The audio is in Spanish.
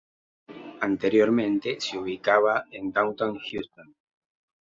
Anteriormente se ubicada en Downtown Houston.